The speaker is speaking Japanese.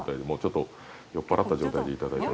もうちょっと酔っぱらった状態で。